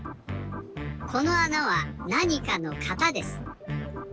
このあなはなにかの型です。